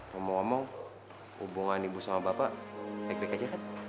ngomong ngomong hubungan ibu sama bapak baik baik aja kan